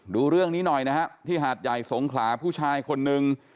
ดูเรื่องนี้หน่อยนะฮะที่หาดใหญ่สงขลาผู้ชายคนนึง